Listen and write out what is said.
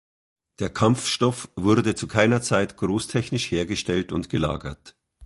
Der Kampfstoff wurde zu keiner Zeit großtechnisch hergestellt und gelagert.